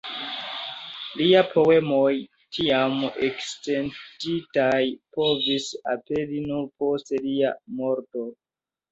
Lia poemoj tiam ekestintaj povis aperi nur post lia morto.